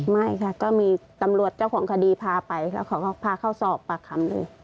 ไม่ค่ะก็มีตำรวจเจ้าของคดีพาไปแล้วเขาก็พาเขาสอบปากคำเลย